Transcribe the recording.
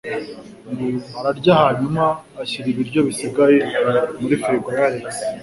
Bararya hanyuma ashyira ibiryo bisigaye muri firigo ya Alex.